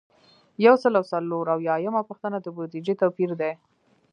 یو سل او څلور اویایمه پوښتنه د بودیجې توپیر دی.